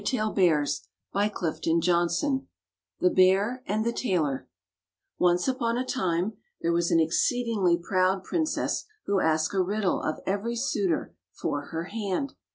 THE BEAR AND THE TAILOR THE BEAR AND THE TAILOR O NCE upon a time there was an exceed ingly proud princess who asked a riddle of every suitor for her hand.